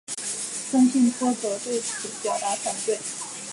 森信托则对此表达反对。